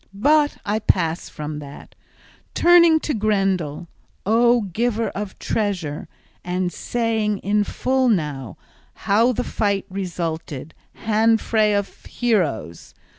But I pass from that, turning to Grendel, O giver of treasure, and saying in full how the fight resulted, hand fray of heroes.